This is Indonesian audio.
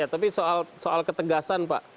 tapi soal ketegasan pak